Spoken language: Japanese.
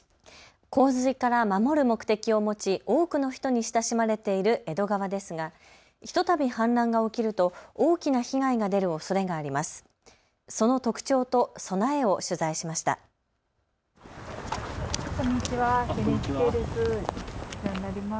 洪水から守る目的を持ち多くの人に親しまれている江戸川ですが、ひとたび氾濫が起きると大きな被害が出るおそれがあります。